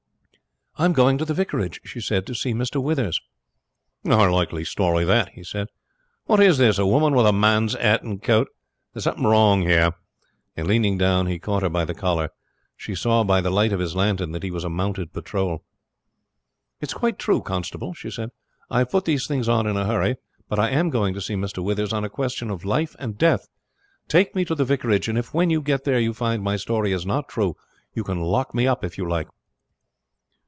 "I am going to the vicarage," she said, "to see Mr. Withers." "A likely story that," he said. "What is this? A woman with a man's hat and coat! There is something wrong here," and leaning down he caught her by the collar. She saw by the light of his lantern that he was a mounted patrol. "It is quite true, constable," she said. "I have put these things on in a hurry, but I am going to see Mr. Withers on a question of life and death. Take me to the vicarage, and if when you get there you find my story is not true you can lock me up if you like."